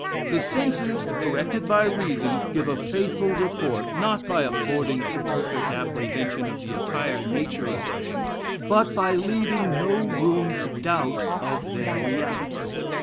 The senses, corrected by reason, give a faithful report; not by affording a perfect apprehension of the entire nature of things, but by leaving no room to doubt of their reality.